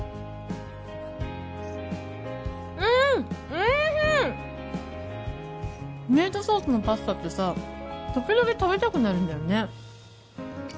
うんおいしいミートソースのパスタってさ時々食べたくなるんだよね